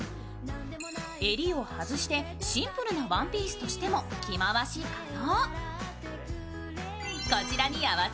襟を外してシンプルなワンピースとしても着回し可能。